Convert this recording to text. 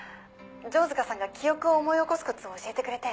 城塚さんが記憶を思い起こすコツを教えてくれて。